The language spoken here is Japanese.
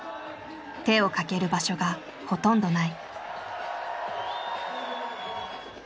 手をかける場所がほとんどない。